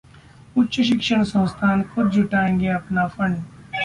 उच्च शिक्षण संस्थान खुद जुटाएं अपना फंड!